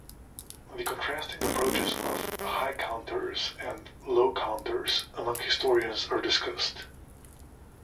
The contrasting approaches of "High Counters" and "Low Counters" among historians are discussed.